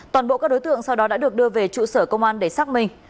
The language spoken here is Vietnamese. toàn bộ các đối tượng sau đó đã được đưa về trụ sở công an để xác minh